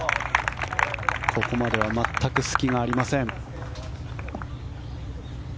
ここまでは全く隙がありません。